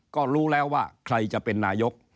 ก็รู้แล้วว่าใครจะเป็นนายก